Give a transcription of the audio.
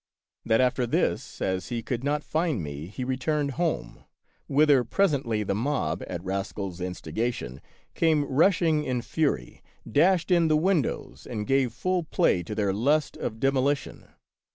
That after this, as he could not find me, he returned home, whither presently the mob, at Rascal's instigation, came rushing in fury, dashed in the windows, and gave full play to their lust of demolition.